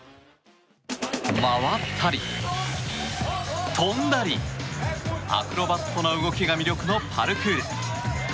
回ったり、跳んだりアクロバットな動きが魅力のパルクール。